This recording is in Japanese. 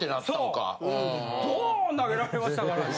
ドーン投げられましたからね。